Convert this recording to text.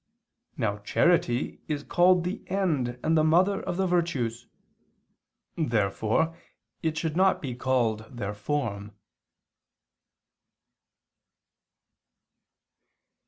Now charity is called the end and the mother of the virtues. Therefore it should not be called their form.